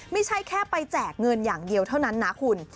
ไม่ใช่แค่ไปแจกเงินอย่างเดียวเท่านั้นนะคุณ